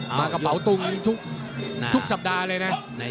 มากระเป๋าตุงทุกสัปดาห์เลยนะ